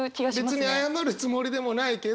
別に謝るつもりでもないけど。